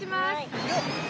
よっ。